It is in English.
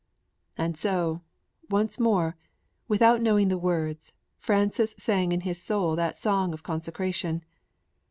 And so, once more, without knowing the words, Francis sang in his soul that song of consecration.